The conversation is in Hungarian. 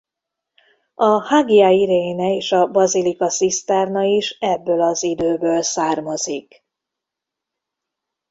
A Hagia Irene és a Bazilika Ciszterna is ebből az időből származik.